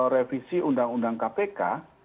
revisi undang undang kpk